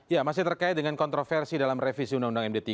ya masih terkait dengan kontroversi dalam revisi undang undang md tiga